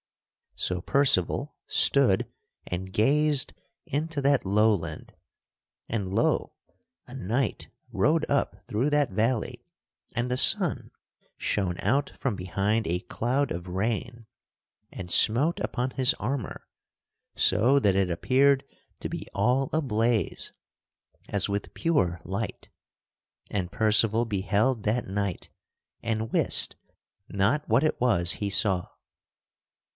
[Sidenote: Percival beholds a knight rider] So Percival stood and gazed into that low land, and lo! a knight rode up through that valley, and the sun shone out from behind a cloud of rain and smote upon his armor so that it appeared to be all ablaze as with pure light, and Percival beheld that knight and wist not what it was he saw.